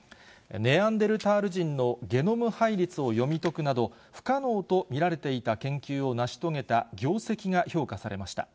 ネアンデルタール人のゲノム配列を読み解くなど、不可能と見られていた研究を成し遂げた業績が評価されました。